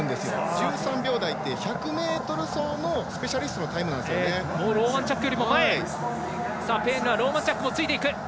１３秒台って１００ｍ走のスペシャリストのタイムなんですよ。